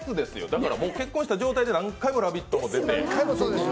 だからもう結婚した状態でで何回も「ラヴィット！」